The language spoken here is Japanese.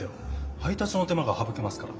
配たつの手間がはぶけますから。